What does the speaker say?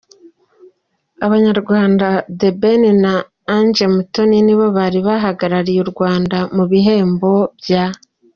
Abanyarwanda The Ben na Angel Mutoni nibo bari bahagarariye u Rwanda mu bihembo bya.